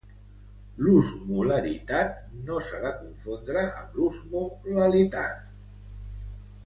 L'osmolaritat no s'ha de confondre amb l'osmolalitat.